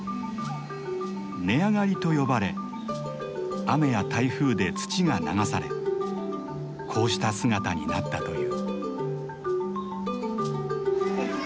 根上がりと呼ばれ雨や台風で土が流されこうした姿になったという。